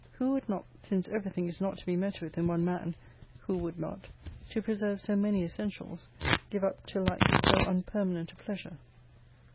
who would not, (since every thing is not to be met with in one man, who would not,) to preserve so many essentials, give up to light, so unpermanent a pleasure!